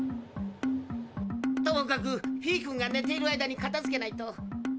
ともかくフィー君が寝ている間にかたづけないと。